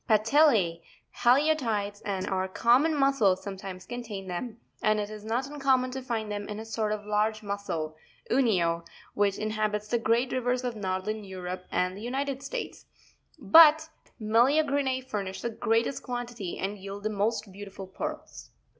Patelle, Haliotides, and our common mus sels sometimes contain them, and it is not uncommon to find them ina sort of large mussel (Unio) which inhabits the great rivers of northern Europe and the United States; but the Oe ee ae 16. What are pearls ? PEARL FISHING. 77 Meleagrine furnish the greatest quantity and yield the most beautiful pearls.